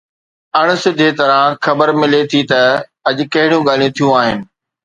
اڻ سڌي طرح خبر ملي ٿي ته اڄ ڪهڙيون ڳالهيون ٿيون آهن.